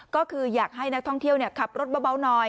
ก็คืออยากให้นักท่องเที่ยวขับรถเบาหน่อย